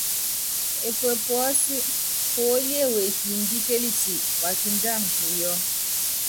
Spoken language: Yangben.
Epuépuɔ́sí, Púólíé wekimbíkéliti, wa kindíana púyɔ́.